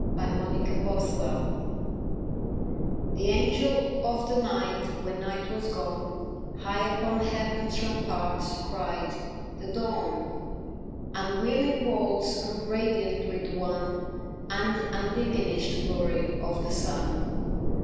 THE UNSEEN MIRACLE The Angel of the night when night was gone High upon Heaven's ramparts, cried, "The Dawn!" And wheeling worlds grew radiant with the one And undiminished glory of the sun.